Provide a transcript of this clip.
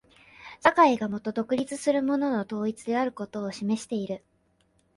社会がもと対立するものの統一であることを示している。